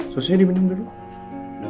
susunya diminum dulu